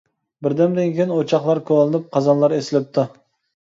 بىردەمدىن كېيىن ئوچاقلار كولىنىپ، قازانلار ئېسىلىپتۇ.